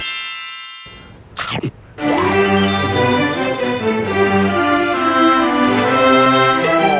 ครับ